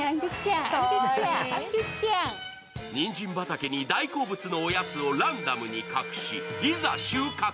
ニンジン畑に大好物のおやつをランダムに隠し、いざ収穫！